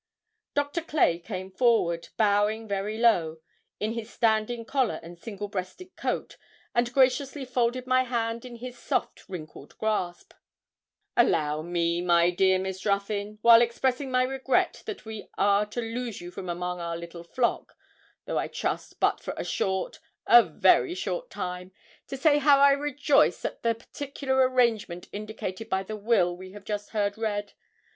Doctor Clay came forward, bowing very low, in his standing collar and single breasted coat, and graciously folded my hand in his soft wrinkled grasp 'Allow me, my dear Miss Ruthyn, while expressing my regret that we are to lose you from among our little flock though I trust but for a short, a very short time to say how I rejoice at the particular arrangement indicated by the will we have just heard read.